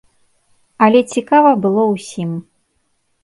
Але цікава было ўсім.